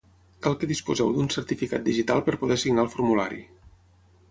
Cal que disposeu d'un certificat digital per poder signar el formulari.